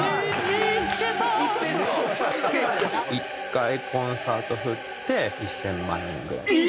１回コンサート振って１０００万円ぐらい。